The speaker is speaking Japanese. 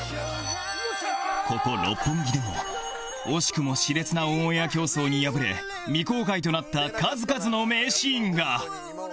ここ六本木でも惜しくも熾烈なオンエア競争に敗れ未公開となった数々の名シーンが